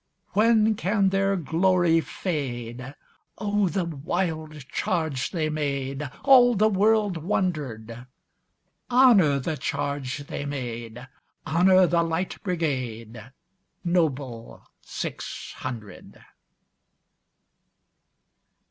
When can their glory fade?O the wild charge they made! All the world wonder'd. Honor the charge they made! Honor the Light Brigade, Noble six hundred!